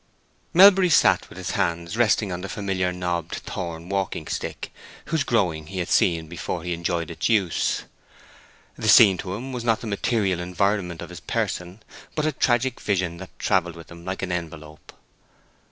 Melbury sat with his hands resting on the familiar knobbed thorn walking stick, whose growing he had seen before he enjoyed its use. The scene to him was not the material environment of his person, but a tragic vision that travelled with him like an envelope.